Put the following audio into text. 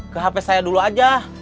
ke hp saya dulu aja